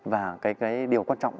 và cái điều quan trọng